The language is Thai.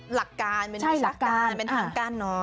หลักการเป็นวิชาการเป็นทางการน้อย